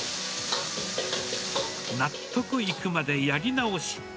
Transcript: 納得いくまでやり直し。